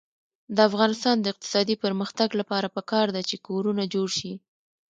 د افغانستان د اقتصادي پرمختګ لپاره پکار ده چې کورونه جوړ شي.